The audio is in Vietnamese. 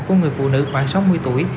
của người phụ nữ khoảng sáu mươi tuổi